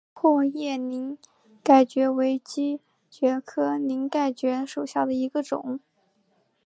毛阔叶鳞盖蕨为姬蕨科鳞盖蕨属下的一个种。